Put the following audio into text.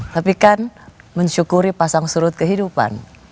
tapi kan mensyukuri pasang surut kehidupan